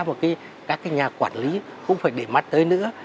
mà các nhà quản lý cũng phải để mắt tới nữa